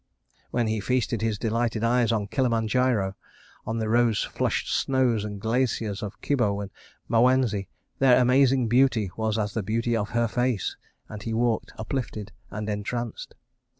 When he feasted his delighted eyes on Kilimanjaro, on the rose flushed snows and glaciers of Kibo and Mawenzi, their amazing beauty was as the beauty of her face, and he walked uplifted and entranced.